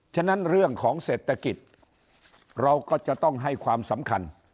ฉะนั้นเรื่องของเศรษฐกิจเราก็จะต้องให้ความสำคัญ